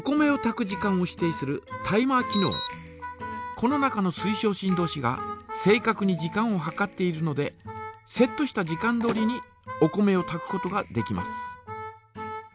この中の水晶振動子が正かくに時間を計っているのでセットした時間どおりにお米をたくことができます。